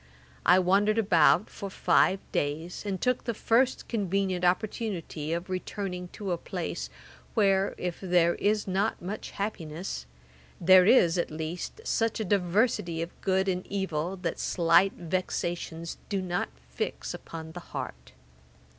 I wandered about for five days, and took the first convenient opportunity of returning to a place, where, if there is not much happiness, there is, at least, such a diversity of good and evil, that slight vexations do not fix upon the heart.